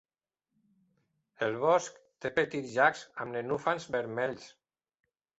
El bosc té petits llacs amb nenúfars vermells.